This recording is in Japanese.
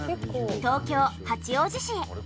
東京八王子市へ。